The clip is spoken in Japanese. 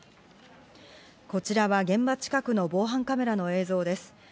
こちらは現場近くの防犯カメラの映像です。